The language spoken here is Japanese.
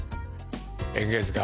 「演芸図鑑」